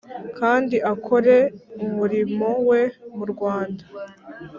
kandi akore umurimo we mu rwanda